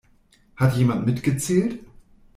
Hat jemand mitgezählt?